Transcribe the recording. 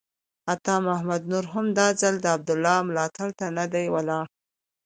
عطا محمد نور هم دا ځل د عبدالله ملاتړ ته نه دی ولاړ.